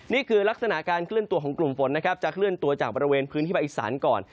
นี่คือลักษณะการเคลื่อนตัวของกลุ่มฝนนะครับจะเคลื่อนตัวจากบริเวณพื้นที่ภาคอีสานก่อน